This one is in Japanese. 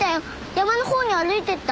山のほうに歩いてった。